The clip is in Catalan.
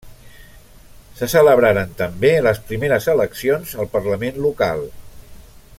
Se celebraran també les primeres eleccions al parlament local.